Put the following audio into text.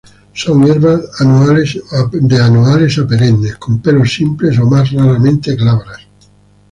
Son hierbas de anuales a perennes, con pelos simples o más raramente glabras.